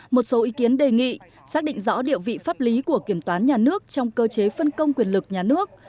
một số ý kiến đề nghị xác định rõ địa vị pháp lý của kiểm toán nhà nước trong cơ chế phân công quyền lực nhà nước